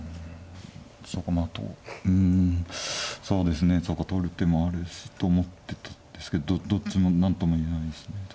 そうか取る手もあるしと思ってたんですけどどっちも何とも言えないですね